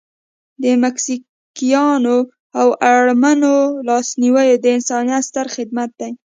د مسکینانو او اړمنو لاسنیوی د انسانیت ستر خدمت دی.